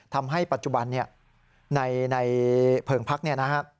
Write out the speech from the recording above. ทำให้ปัจจุบันในเผลิงพรรคนี้นะครับ